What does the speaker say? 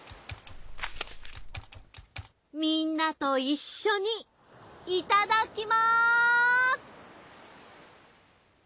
みんなといっしょにいただきまーす！